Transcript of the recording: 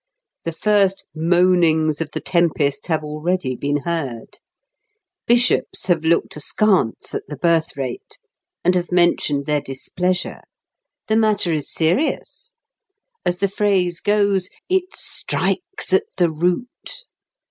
The first moanings of the tempest have already been heard. Bishops have looked askance at the birth rate, and have mentioned their displeasure. The matter is serious. As the phrase goes, "it strikes at the root."